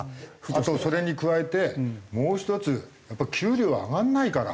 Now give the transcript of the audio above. あとそれに加えてもう１つやっぱり給料は上がらないから。